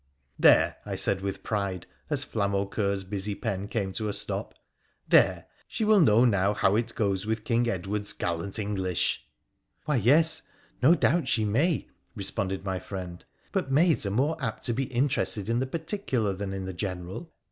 ' There !' I said with pride, as Flamaucoeur'a busy pen came to a stop —' There ! she will know now how it goes with King Edward's gallant English.' ' Why, yes, no doubt she may,' responded my friend ;' but maids are more apt to be interested in the particular than in the general.